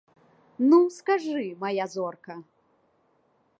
Ну, скажы, мая зорка!